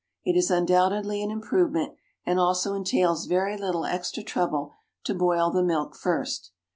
It is undoubtedly an improvement, and also entails very little extra trouble, to boil the milk first.